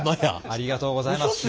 ありがとうございます。